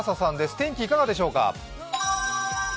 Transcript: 天気いかがでしょうか。